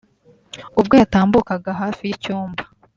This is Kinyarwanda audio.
ubwo yatambukaga hafi y’icyumba